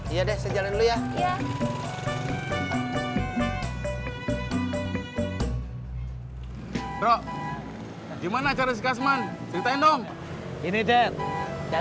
iya deh saya jalan dulu ya